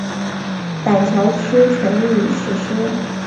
板桥区全域已实施。